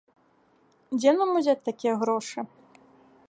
Дзе нам узяць такія грошы?